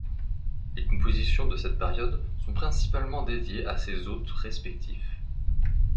Les compositions de cette période sont principalement dédiées à ses hôtes respectifs.